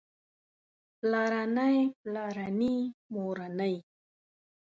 پلارنی پلارني مورنۍ